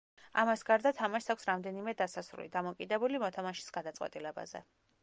ამას გარდა თამაშს აქვს რამდენიმე დასასრული, დამოკიდებული მოთამაშის გადაწყვეტილებაზე.